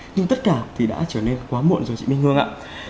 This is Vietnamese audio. nhưng tất cả thì đã trở nên quá muộn rồi chị minh hương ạ